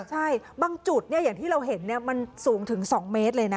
ใช่บางจุดเนี้ยอย่างที่เราเห็นเนี้ยมันสูงถึงสองเมตรเลยนะ